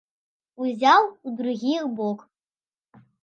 Узяў у другі бок.